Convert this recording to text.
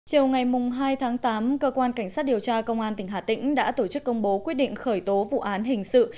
chiều ngày hai tháng tám cơ quan cảnh sát điều tra công an tỉnh hà tĩnh đã tổ chức công bố quyết định khởi tố vụ án hình sự